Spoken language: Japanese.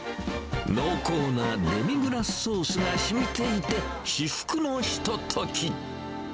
濃厚なデミグラスソースがしみていて、至福のひととき。